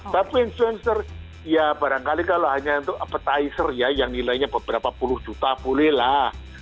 tapi influencer ya barangkali kalau hanya untuk appetizer ya yang nilainya beberapa puluh juta bolehlah